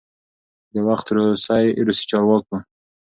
چې د وخت روسی چارواکو،